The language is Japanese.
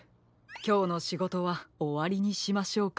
きょうのしごとはおわりにしましょうか。